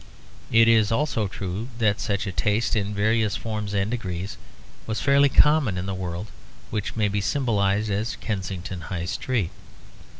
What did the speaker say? It is also true that such a taste, in various forms and degrees, was fairly common in the world which may be symbolised as Kensington High Street.